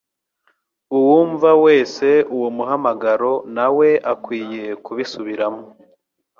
Uwumva wese uwo muhamagaro na we akwiye kubisubiramo.